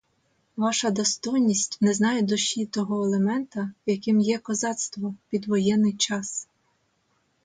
Ваша достойність не знає душі того елемента, яким є козацтво під воєнний час.